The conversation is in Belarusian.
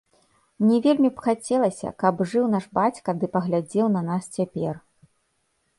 Мне вельмі б хацелася, каб жыў наш бацька ды паглядзеў на нас цяпер.